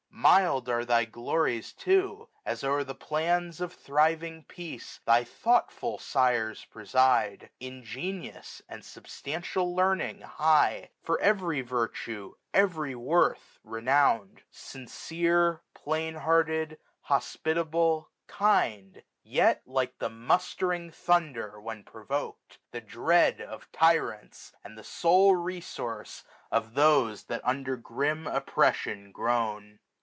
Mild are thy glories too, as o'er the plans 1470 Of thriving peace thy thoughtful fires preside j In genius, and substantial learning, high ; For every virtue, every worth, renowned ; SUMMER. 105 Sincere, plain hearted, hospitable, kind ; Yet like the mustering thunder when provok'd, 1475 The dread of tyrants, and the sole resource Of those that under grim oppression groan.